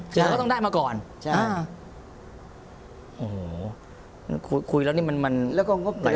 แต่ก็ต้องได้มาก่อนโอ้โหคุยแล้วนี่มันไหลเรื่องเลยนะ